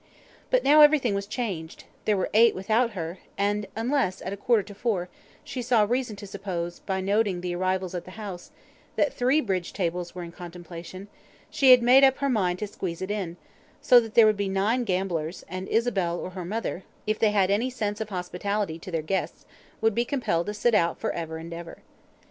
But now everything was changed: there were eight without her, and unless, at a quarter to four, she saw reason to suppose, by noting the arrivals at the house, that three bridge tables were in contemplation, she had made up her mind to "squeeze it in", so that there would be nine gamblers, and Isabel or her mother, if they had any sense of hospitality to their guests, would be compelled to sit out for ever and ever.